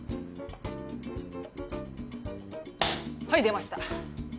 はい出ました！